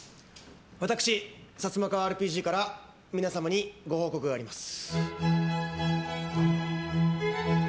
私、サツマカワＲＰＧから皆様にご報告があります。